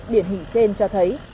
điển hình trên cho thấy